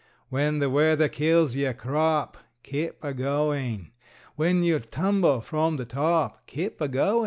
When the weather kills yer crop, Keep a goin'! When you tumble from the top, Keep a goin'!